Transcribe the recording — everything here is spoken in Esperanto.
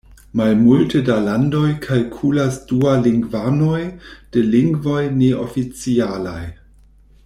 Malmulte da landoj kalkulas dualingvanojn de lingvoj neoficialaj.